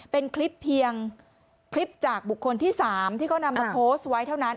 เป็นคลิปเพียงคลิปจากบุคคลที่๓ที่เขานำมาโพสต์ไว้เท่านั้น